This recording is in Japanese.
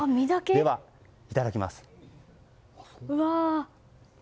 では、いただきます。